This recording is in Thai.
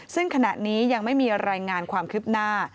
ซึ่งขณะนี้ยังไม่มีรายงานความคืบหน้า